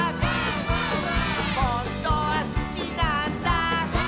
「ほんとはすきなんだ」